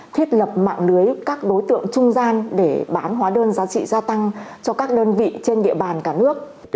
thiết lập mạng lưới các đối tượng trung gian để bán hóa đơn giá trị gia tăng cho các đơn vị trên địa bàn cả nước